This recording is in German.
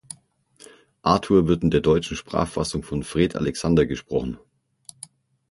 Arthur wird in der deutschen Sprachfassung von Fred Alexander gesprochen.